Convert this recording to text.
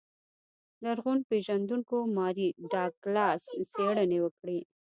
لرغون پېژندونکو ماري ډاګلاس څېړنې وکړې.